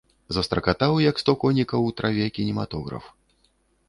Застракатаў, як сто конікаў у траве, кінематограф.